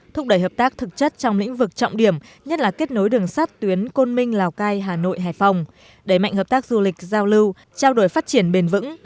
thúc đẩy hợp tác thực chất trong lĩnh vực trọng điểm nhất là kết nối đường sát tuyến côn minh lào cai hà nội hải phòng đẩy mạnh hợp tác du lịch giao lưu trao đổi phát triển bền vững